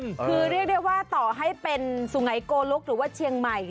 คือเรียกได้ว่าต่อให้เป็นสุไงโกลกหรือว่าเชียงใหม่